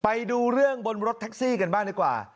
ไปดูเรื่องบนรถแท็กซี่กันบ้างดีกว่า